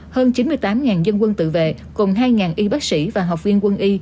hơn chín mươi tám dân quân tự vệ cùng hai y bác sĩ và học viên quân y